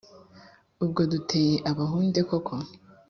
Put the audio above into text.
Ubwo duteye Abahunde koko